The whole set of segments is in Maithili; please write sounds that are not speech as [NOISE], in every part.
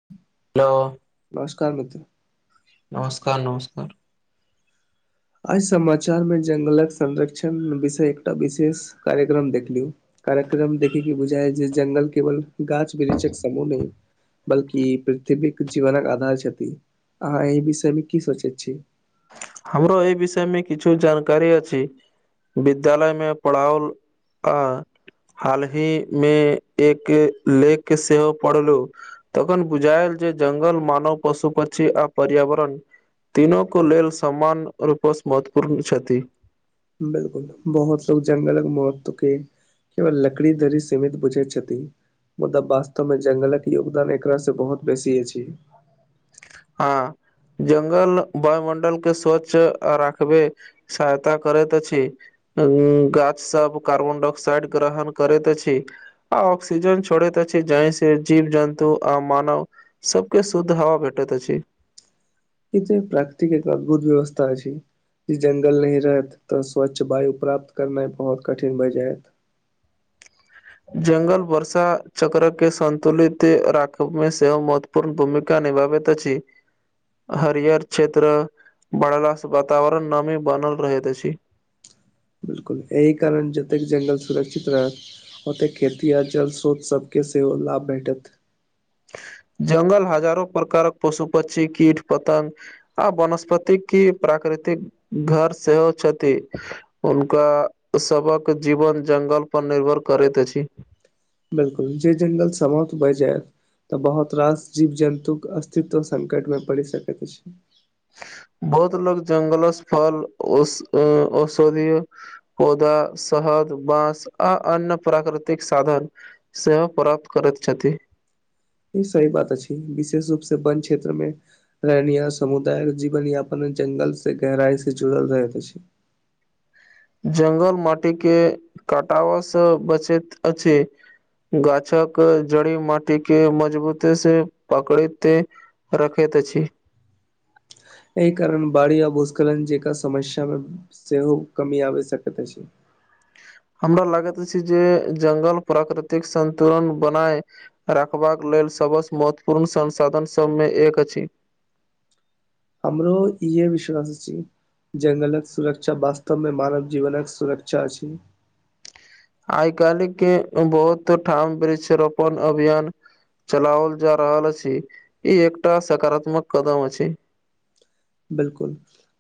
[INAUDIBLE] हेलो! नमस्कार मित्र! नमस्कार! नमस्कार! आइ समाचार मे, जंगलक संरक्षण विषय एकटा विशेष कार्यक्रम देख लियौ। कार्यक्रम देखै की बुझाय ह जे, जंगल केवल गाछ बिरिछक समूह नहि। बल्कि पृथ्वीक जीवनक आधार छथि, अहाँ एहि विषय मे की सोचे छी? हमरो ई विषयमे किछु जानकारी अछी। विद्यालयमे पढ़ाओल आ हालहि मे एक लेख सेहो पढ़लु। तखन बुझायल जे, जंगल मानव पशु, पक्षी, आ पर्यावरण तीनू को लेल, समान रूपस महत्वपूर्ण छथि। बिलकुल! बहुत लोकोग जंगलक मौततुकी केवल लकड़ी धरी, सीमित बुझै छथि। मुदा वास्तवमे जंगलक योगदान एकरासँ बहुत बेसी अछि। हँ। जंगल वायुमंडलके स्वच्छ राखबे सहायता करैत अछि। गाछ सब कार्बन डाइऑक्साइड ग्रहण करैत अछि। आ आक्सिजन छोड़ैत अछि जाहि से जीव जन्तु आ मानव। सबके शुद्ध हवा भेटैत अछि। इतऽ प्राकृतिकेँ एक अद्भुत व्यवस्था अछि। ई जंगल नइ रहैत तऽ स्वच्छ वायु प्राप्त करनाइ बहुत कठिन भए जायत। जंगल वर्षा चक्रके सन्तुलित राखबमे सेहो महत्व पूर्ण भूमिका निभाबैत अछि। हरियर क्षेत्र बढ़लासँ वातावरण नमी बनल रहैत अछि। बिलकुल एहि कारण जतेक जङ्गल सुरक्षित रहत। ओतय खेती आ जल स्रोत सभके सेहो लाभ भेटत। जंगल हजारो प्रकारक पशु पक्षी कीट पत्ंग। आ वनस्पतिकि प्राकृतिक घर सेहो छथि। हुनका सबक जीवन जंगल पर निर्भर करैत अछि। बिलकुल जे जंगल समाप्त भए जाय तऽ बहुत रास जीव जन्तुक अस्तित्व संकटमे पड़ि सकैत अछि। बहुत लोक जंगलस फल ओस अँ औषधीय। पौधा, सहद, बाँस आ अन्य प्राकृतिक साधन। सेहो प्राप्त करैत छथि। ई सही बात अछि विशेष रूपसे वन क्षेत्रमे। रहनिया समुदाय जीवन यापन जंगलसे गहराईसे जुड़ल रहैत अछि। जंगल माटीके कटाबसँ बचैत अछि। गाछक जड़ी माटी के मजबूत से पकड़िते। रखैत त अछि। एहि कारण बाड़ी आ भूस्खलन जेकाँ समस्यामे सेहो कमी आबि सकैत अछि। हमरा लागैत अछि जे जंगल प्राकृतिक संन्तुलन बनाय। राखबाक लेल सबसँ महत्वपूर्ण संसाधन सभमे एक अछि। हमरो इए विश्वास अछि। जंगलक सुरक्षा वास्तवमे मानव जीवनक सुरक्षा अछि। आइ काल्हिके बहुत ठाम वृक्षरोपण अभियान। चलाओल जा रहल अछि ई एकटा सकारात्मक कदम अछि। बिल्कुल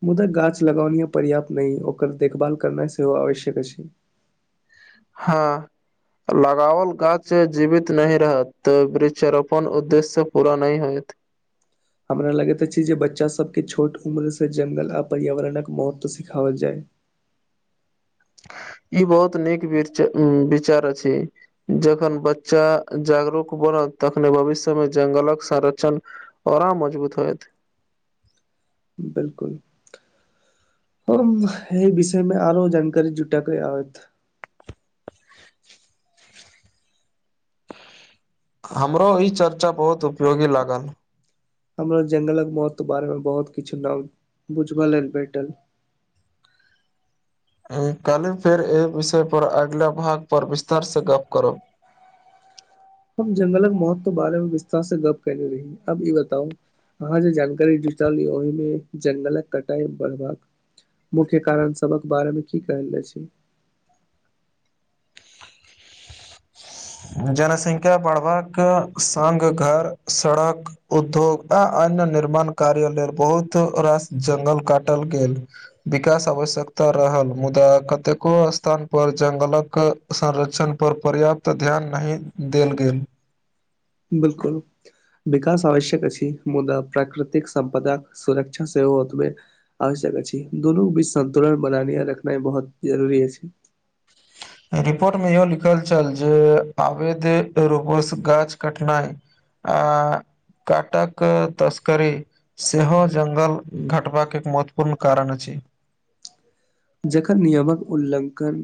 मुदा गाछ लगौनी पर्याप्त नहि ओकर देखभाल करनाइ सेहो आवश्यक अछि। हँ। लगावल गाछ जीवित नहि रहत तऽ वृक्षरोपण उद्देश्य पूरा नहि होयत। हमरा लगैत अछि जे बच्चा सब के छोट उम्र से जंगल आ पर्यावरणक महत्व सिखावल जाय। ई बहुत नीक विरच विचार अछि। जखन बच्चा जागरूक बनत तखने भविष्यमे जंगलक संरक्षण। औरा मजबूत होयत। बिलकुल। ओ भाएहि विषयमे आरो जानकारी जुटाकऽ आउत। हमरो ई चर्चा बहुत उपयोगी लागल। हमरो जंगलक महत्व बारेमे बहुत किछु नाम बुझब लेल भेटल। एँ काल्हि फेर एहि विषय पर अगिला भाग पर विस्तारसे गप करब। हम जंगलक मौत के बारे मे विस्तार से गप्प कयने रही, आब ई बताउ? अहां जे जानकारी जुटाली ओय मे जंगलक कटाई बड़-बाक् मुख्य कारण सबक बारे मे की कहल जाए छय? जनसंख्या बढ़बाक संग, घर, सड़क उधोगता अन्य निर्माण कार्य लेल बहुत रास जंगल काटल गेल। विकास आवश्यकता रहल, मुदा कतेको स्तान पर जंगलक संरक्षणपर पर्याप्त ध्यान नहि देल गेल। बिलकुल। विकास आवश्यक अछि, मुदा प्राकृतिक सम्पदाक सुरक्षा सेहो ओतबे आवश्यक अछि। दुनू क बीच संन्तुलन बनाय रखनाइ बहुत जरुर अछि। रिपोर्ट मे इहो लिखल छल जे, आवेद रूपोस गाछ कटनाइ आ काटक तस्करी सेहो जंगल घटबाके एक महत्वपूर्ण कारण अछि। जखन नियमक उल्लंघन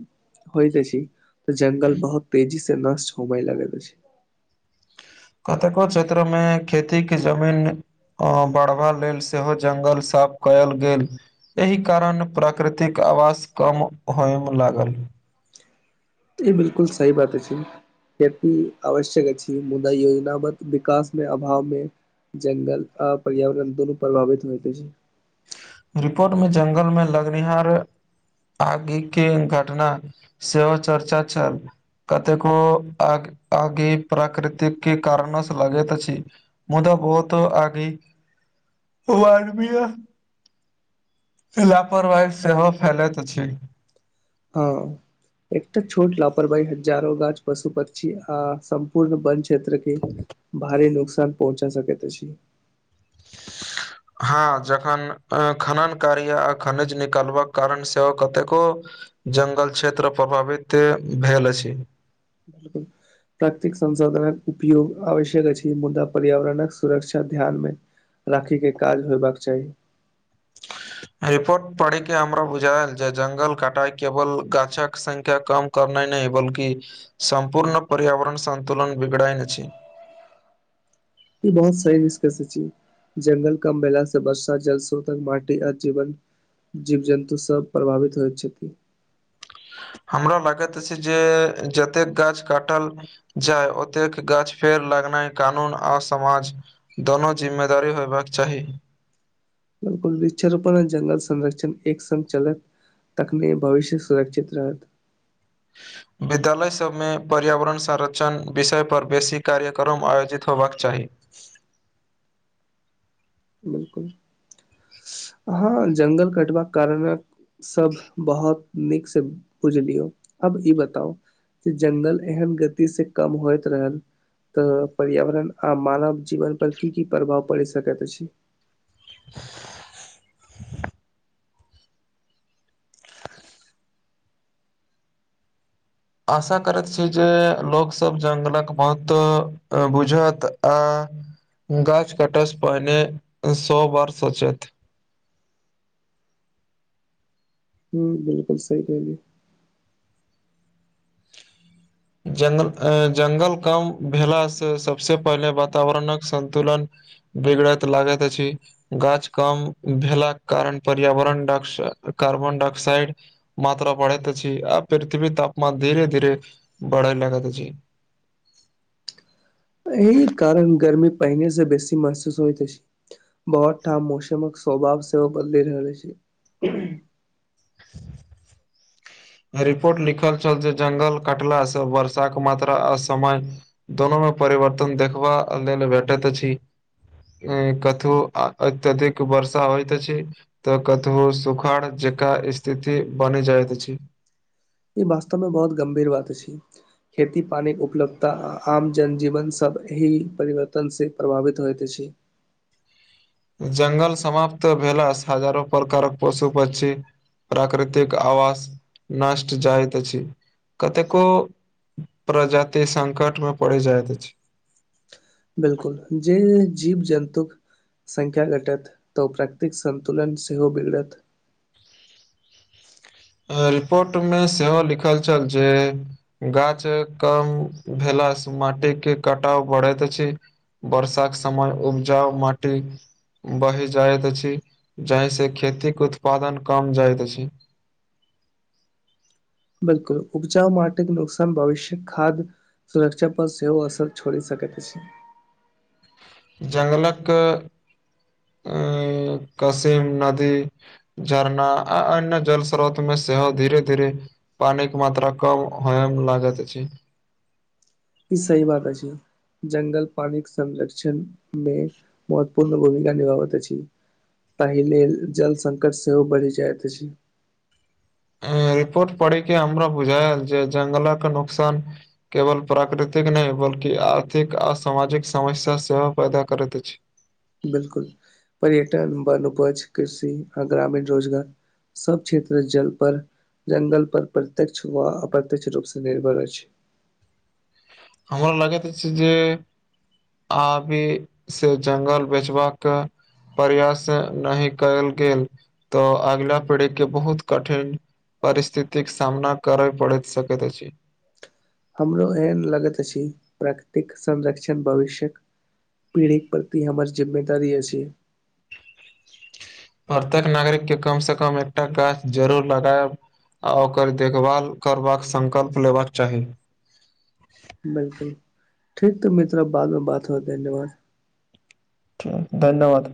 होयत अछि, त जंगल बहुत तेजी स नष्ट होबैय लागल अछि। कतेको क्षेत्र में खेती के जमीन अ बढ़बा लेल सेहो जंगल साफ कयल गेल। एहि कारण प्राकृतिक आवास कम होयम लागल। ई बिलकुल सही बात अछि। खेति आवश्यक अछि, मुदा योजना बद् विकास मे अभाव मे जंगल आ पर्यावरण दुनू प्रभावित होइत अछि। रिपोर्ट में जंगल में लगनिहार आगि के घटना सेहो चर्चा छल। कतेको आग आगिक प्राकृतिक के कारणोसँ लगैत अछि। मुदा बहुत आगी [INAUDIBLE] -मानवीय लापरवाही सेहो फैलैत अछि। हँ- एकटा छोट लापरवाही हजारो गाछ, पशु, पक्षी आ सम्पूर्ण वन क्षेत्र के भारी नुकसान पहुँचा सकैत अछि। [INAUDIBLE] हँ जखन खनन कार्य आ खनिज निकलबाक कारण सेहो कतेको जंगल क्षेत्र पभावित भेल अछि। बिलकुल। प्रातृक संसाधनक उपयोग आवश्यक अछि, मुदा पर्यावरणक सुरक्षा ध्यान मे राखी के काज होयबाक चाही। रिपोर्ट पढी के हमरा बुझायल जे जंगल कटाय केवल गाछक संख्या कम करनाय नय बल्कि सम्पूर्ण पर्यावरण सन्तुलन बिगड़ैन अछि। ई बहुत सही निसकस अछि। जंगल कम भेला स वर्षा जलस्रोतक माटी आ जीवन जीव जन्तु सभ प्रभावित होइत छथि। हमरा लागैत अछि जे जतेक गाछ काटल जाय ओतेक गाछ फेड़ लगनाइ कानून आ समाज दोनो जिम्मेदारी होयबाक चाही। बिलकुल वृक्षरोपण जंगल संरक्षण एक संग चलत। तखने भविष्य सुरक्षित रहत। [INAUDIBLE] विद्यालय सबमे पर्यावरण संरक्षण विषय पर बेसी कार्यक्रम आयोजित होयबाक चाही। बिलकुल। हँ जङ्गल कटबाक कारणक़ सब बहुत नीक से बुझलियौ, अब ई बताउ? जे जंगल एहन गति से कम होइत रहल त पर्यावरण आ मानव जीवन पर की की प्रभाव परि सकैत अछी। [UNINTELLIGIBLE] आशा करत छी जे लोक सब जंगलक महत्व बुझत आ गाछ काटय सँ पहिने स बार सोचैथ। हुं बिलकुल सही कहलियै। जंगल-जंगल कम भेलासँ सबसं पहिले वातावरणक संतुलन बिगड़त लागत अछी। गाछ कम भेलाक कारण पर्यावरण डाक्सा, कार्बन डाक्साइड मात्रा बढ़ैत अछी आ पृथ्वी तापमान धीरे धीरे बढ़ै लागैत अछी। अही कारण गर्मी पहिने सं बेसी महसूस होइत अछी। बहुत ठाम मौसमक स्वभाव सेहो बदलै रहल अछी। ह [UNINTELLIGIBLE] रिपोर्ट लिखल छल जे जंगल कटला सं वर्षाक मात्रा असमय दोनोमे परिवर्तन देखबा लेल भेटैत अछी। कतहु अत्यधिक वर्षा होइत अछी। त कतहु सुखाड़ जकां स्थिति बनी जाइत अछी। ई वास्तव मे बहुत गम्भीर बात अछी। खेती पानीके उपलब्धता आ आम जन जीवन सब अही परिवर्तन सं प्रभावित होइत अछी। जंगल समाप्त भेला सं हजारों प्रकारक पशु पक्षी प्राकृतिक आवास नष्ट जाइत अछी। कतेको [INAUDIBLE] प्रजाति संकट में परी जाइत अछी। बिलकुल जे जीव जन्तुक संख्या घटत त ओ प्राकतिक संन्तुलन सेहो बिगड़त। रिपोर्ट मे सेहो लिखल छल जे गाछ कम भेला सं माटी के कटाव बढ़ैत अछी। वर्षाक समय उपजा माटी बढी जाइत अछी जाहि सं खेतीक उत्पादन कम जाइत अछी। बिलकुल उपजा माटीक नुकसान भविष्य खाद सुरक्षा पर सेहो असर छोड़ी सकैत अछी। जंगलक [INAUDIBLE] अं कसीम नदी झरना आ अन्य जल स्रोत मे सेहो धीरे-धीरे पानी के मात्रा कम होय मे लागत अछी। ई सही बात अछी। जंगल पानीक संरक्षण मे महत्वपूर्ण भूमिका निभाबैत अछी। तही लेल जल संकट सेहो बढ़ी जाइत अछी। एं रिपोर्ट पढ़ीके हमरा बुझाएल जे जंगलक नुकसान केवल प्राकृतिक नै बल्कि आर्थिक आ सामाजिक समस्या सेहो पैदा करैत अछी। बिलकुल पर्यटन वन उपज, कृषि आ ग्रामीण रोजगार सब क्षेत्र जल पर जंगल पर प्रत्यक्ष वा अप्रत्यक्ष रूप स निर्भर अछि। हमरा लगै त छै जे आबी से जंगल बेचबा क प्रयास नाहि कयल गेल तऽ अगिला पीढ़ीके बहुत कठिन परिस्थितिक सामना करऽ परैत सकैत अछि। हमरो एहन लगत अछि, प्राकृतिक संरक्षण भविष्यक पीढ़ीक परति हमर जिम्मेदारी अछि। परतेक नागरिक के कम से कम एकटा गाछ जरूर लगैब। आ ओकर देखभाल करबाक संकल्प लेबाक चाही। बिलकुल ठीक तऽ मित्रा बाद में बात होतै न और। ठीक धन्यवाद।